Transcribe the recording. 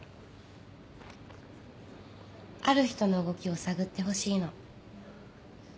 ある人の動きを探ってほしいの